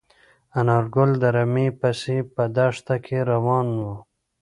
انارګل د رمې پسې په دښته کې روان و.